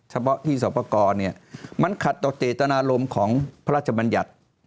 เฉพาะที่สอปกรมันขัดตกเจตนารมณ์ของพระราชบัญญัติ